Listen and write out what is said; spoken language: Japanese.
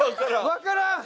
わからん。